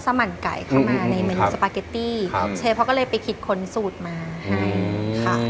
มัสมันไก่เข้ามาในเมนูสปาเก็ตตี้เชฟเขาก็เลยไปคิดค้นสูตรมาให้